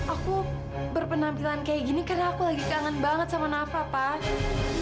aku berpenampilan kayak gini karena aku lagi kangen banget sama nafa pas